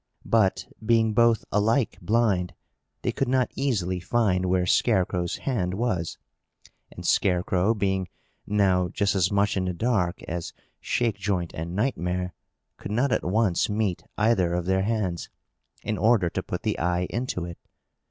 But, being both alike blind, they could not easily find where Scarecrow's hand was; and Scarecrow, being now just as much in the dark as Shakejoint and Nightmare, could not at once meet either of their hands, in order to put the eye into it.